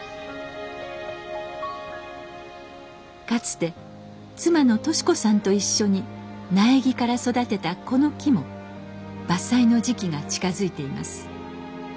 かつて妻の敏子さんと一緒に苗木から育てたこの木も伐採の時期が近づいています。